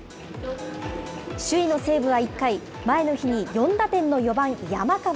首位の西武は１回、前の日に４打点の４番山川。